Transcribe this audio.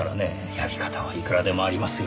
やり方はいくらでもありますよ。